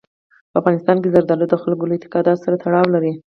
په افغانستان کې زردالو د خلکو له اعتقاداتو سره تړاو لري.